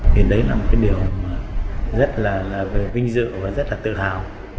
thì đấy là một cái điều mà rất là vinh dự và rất là tự hào